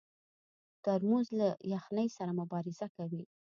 ترموز له یخنۍ سره مبارزه کوي.